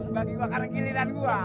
bagi makan giliran gua